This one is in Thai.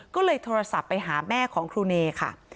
ก็เลยโทรศัพท์ไปหาแม่ของครูเนค่ะ